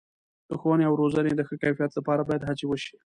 د ښوونې او روزنې د ښه کیفیت لپاره باید هڅې وشي.